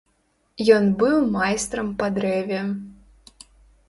Ён быў майстрам па дрэве.